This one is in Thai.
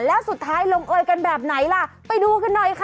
แล้วสุดท้ายลงเอยกันแบบไหนล่ะไปดูกันหน่อยค่ะ